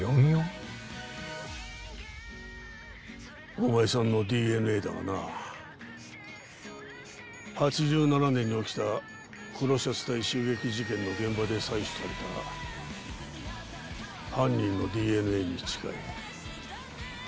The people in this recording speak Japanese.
お前さんのＤＮＡだがな８７年に起きた黒シャツ隊襲撃事件の現場で採取された犯人のＤＮＡに近い。